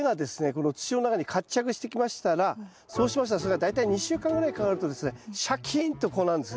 この土の中に活着してきましたらそうしましたらそれが大体２週間ぐらいかかるとですねシャキーンとこうなるんですね。